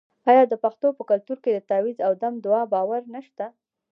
آیا د پښتنو په کلتور کې د تعویذ او دم دعا باور نشته؟